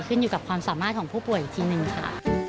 ขึ้นอยู่กับความสามารถของผู้ป่วยอีกทีหนึ่งค่ะ